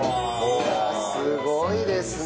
うわすごいですね！